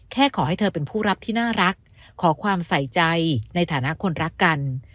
ขอให้เธอเป็นผู้รับที่น่ารักขอความใส่ใจในฐานะคนรักกัน